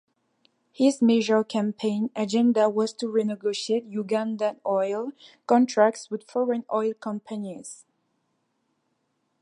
His major campaign agenda was to renegotiate Ugandan oil contracts with foreign oil companies.